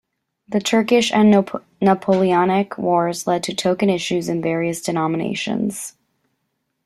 The Turkish and Napoleonic Wars led to token issues in various denominations.